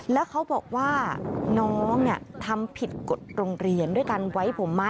แล้วเขาบอกว่าน้องทำผิดกฎโรงเรียนด้วยการไว้ผมมา